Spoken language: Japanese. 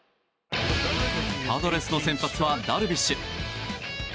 パドレスの先発はダルビッシュ。